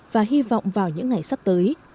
và hy vọng vào những ngày sắp tới